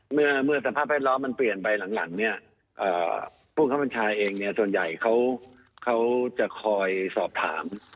เมื่อสภาพแวดล้อมมันเปลี่ยนไปหลังเนี่ยผู้คับบัญชาเองเนี่ยส่วนใหญ่เขาจะคอยสอบถาม